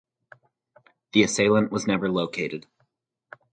The assailant was never located.